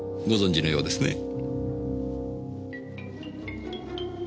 ご存じのようですね。